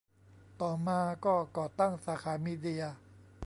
ต่อมาก็ก่อตั้งสาขามีเดีย